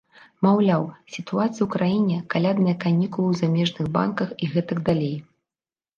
Маўляў, сітуацыя ў краіне, калядныя канікулы ў замежных банках і гэтак далей.